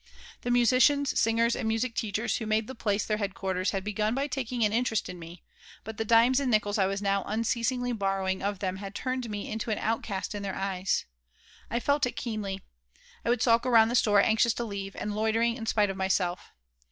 The musicians, singers, and music teachers who made the place their headquarters had begun by taking an interest in me, but the dimes and nickels I was now unceasingly "borrowing" of them had turned me into an outcast in their eyes. I felt it keenly. I would sulk around the store, anxious to leave, and loitering in spite of myself.